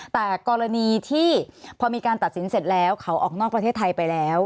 แต่กรณีที่พอมีการตัดสินเสร็จแล้วเขาออกนอกประเทศไทยไปแล้ว